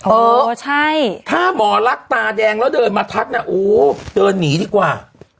เออใช่ถ้าหมอลักษณ์ตาแดงแล้วเดินมาทักน่ะโอ้เดินหนีดีกว่า